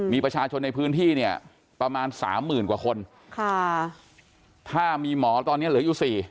มีประชาชนในพื้นที่เนี่ยประมาณสามหมื่นกว่าคนค่ะถ้ามีหมอตอนนี้เหลืออยู่สี่